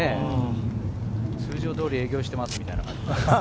通常通り営業していますみたいな感じ。